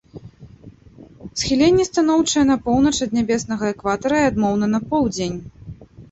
Схіленне станоўчае на поўнач ад нябеснага экватара і адмоўна на поўдзень.